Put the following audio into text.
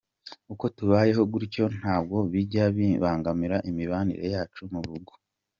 Uko tubayeho gutyo ntabwo bijya bibangamira imibanire yacu mu rugo.